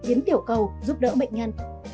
hiến tiểu cầu giúp đỡ bệnh nhân